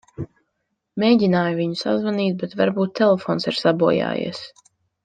Mēģināju viņu sazvanīt, bet varbūt telefons ir sabojājies.